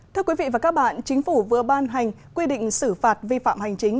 thưa quý vị và các bạn chính phủ vừa ban hành quy định xử phạt vi phạm hành chính